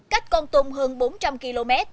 cách con tùng hơn bốn trăm linh km